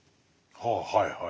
ははいはい。